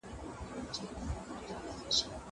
ډيرښاغلي دي پر تللي